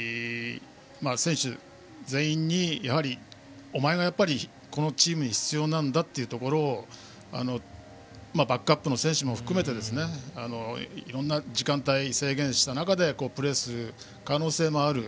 選手全員にお前がやっぱり、このチームに必要なんだというところをバックアップの選手も含めていろいろな時間帯制限した中でプレーする可能性もある。